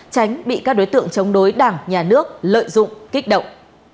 tránh bị các đối tượng chống đối đảng nhà nước lợi dụng kích động